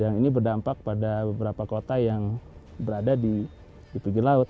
yang ini berdampak pada beberapa kota yang berada di pinggir laut